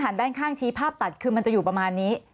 ด้านข้างชี้ภาพตัดคือมันจะอยู่ประมาณนี้